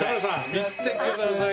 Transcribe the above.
見てください。